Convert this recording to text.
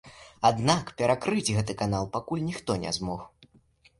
Аднак перакрыць гэты канал пакуль ніхто не змог.